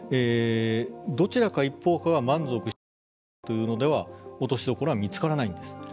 どちらか一方が満足した状態というのでは落としどころは見つからないんです。